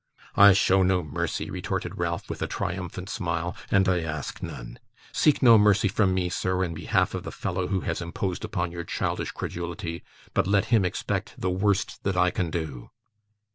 'I show no mercy,' retorted Ralph with a triumphant smile, 'and I ask none. Seek no mercy from me, sir, in behalf of the fellow who has imposed upon your childish credulity, but let him expect the worst that I can do.